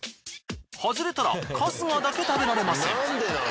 はずれたら春日だけ食べられません。